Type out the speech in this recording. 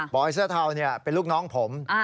อยเสื้อเทาเป็นลูกน้องผม